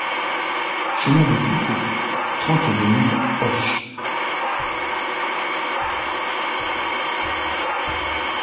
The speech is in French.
Chemin de Tuco, trente-deux mille Auch